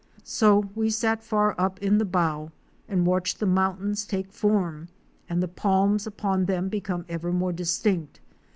So we sat far up in the bow and watched the mountains take form and the palms upon them become ever more distinct.